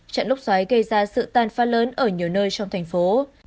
trận lốc xoáy gây ra sự tàn phá lớn ở nhiều nơi trong thành phố